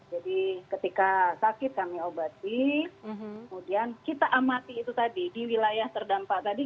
jadi ketika sakit kami obati kemudian kita amati itu tadi di wilayah terdampak tadi